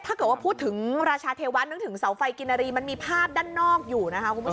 ถ้าเกิดพูดถึงราชาเทวะถึงเสาไฟกิณรีมันมีภาพด้านนอกอยู่